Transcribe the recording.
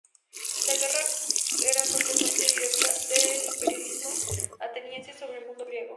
La guerra era consecuencia directa del imperialismo ateniense sobre el mundo griego.